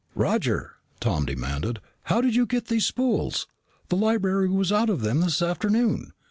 "Roger," Tom demanded, "how did you get these spools? The library was out of them this afternoon.